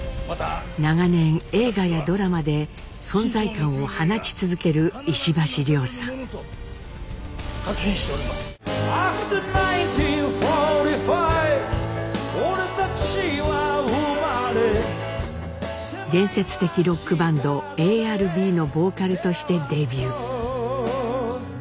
長年映画やドラマで存在感を放ち続ける伝説的ロックバンドＡＲＢのボーカルとしてデビュー。